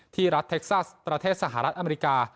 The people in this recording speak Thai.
รัฐเท็กซัสประเทศสหรัฐอเมริกา